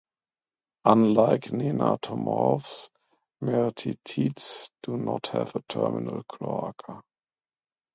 Unlike nematomorphs, mermithids do not have a terminal cloaca.